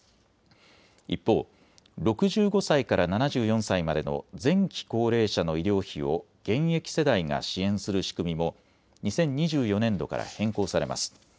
一方、６５歳から７４歳までの前期高齢者の医療費を現役世代が支援する仕組みも２０２４年度から変更されます。